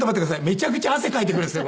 めちゃくちゃ汗かいてくるんですよ